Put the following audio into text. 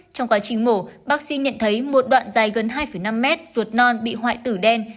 trong quá trình mổ bác sĩ nhận thấy một đoạn dài gần hai năm mét ruột non bị hoại tử đen